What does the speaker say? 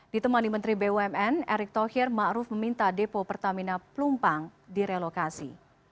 ditemani menteri bumn erick thohir ⁇ maruf ⁇ meminta depo pertamina pelumpang direlokasi